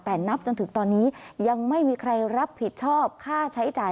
แต่นับจนถึงตอนนี้ยังไม่มีใครรับผิดชอบค่าใช้จ่าย